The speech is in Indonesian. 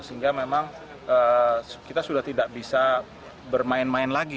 sehingga memang kita sudah tidak bisa bermain main lagi